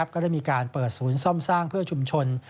ก็ได้มีการเปิดศูนย์ซ่อมสร้างเพื่อชุมชน